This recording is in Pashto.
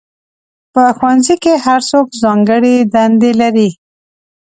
په ښوونځي کې هر څوک ځانګړې دندې لري.